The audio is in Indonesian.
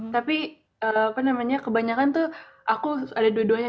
tapi kebanyakan itu aku ada dua duanya